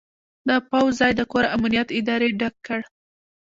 د پوځ ځای د کور امنیت ادارې ډک کړ.